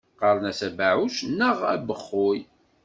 Qqaren-as abɛuc neɣ abexxuy.